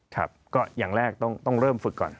ครับก็อย่างแรกต้องเริ่มฝึกก่อน